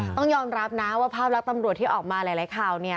ต้องยอมรับนะว่าภาพลักษณ์ตำรวจที่ออกมาหลายข่าวเนี่ย